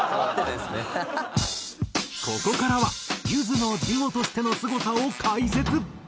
ここからはゆずのデュオとしてのすごさを解説。